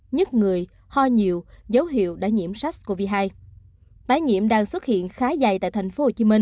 nhức người ho nhiều dấu hiệu